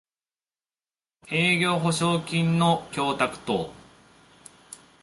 営業保証金の供託等